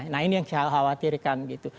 nah ini yang saya khawatirkan gitu